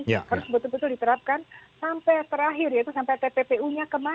harus betul betul diterapkan sampai terakhir yaitu sampai tppu nya kemana